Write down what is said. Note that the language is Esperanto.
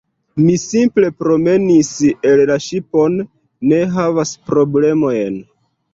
Mi simple promenis el la ŝipon. Ne havas problemojn